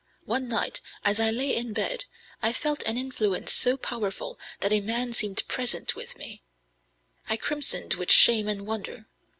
One night, as I lay in bed, I felt an influence so powerful that a man seemed present with me. I crimsoned with shame and wonder.